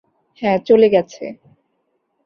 হ্যাঁ, চলে গেছে।